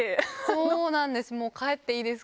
そうなんです。